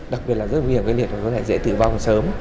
đặc biệt là rất nguy hiểm gây liệt và có thể dễ tử vong sớm